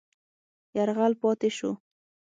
یرغل پاتې شو.